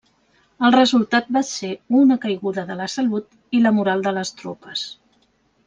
El resultat va ser una caiguda de la salut i la moral de les tropes.